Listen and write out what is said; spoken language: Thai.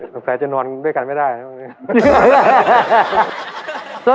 น้องแฟนจะนอนด้วยกันไม่ได้